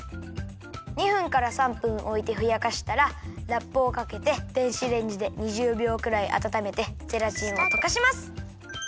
２分から３分おいてふやかしたらラップをかけて電子レンジで２０びょうくらいあたためてゼラチンをとかします。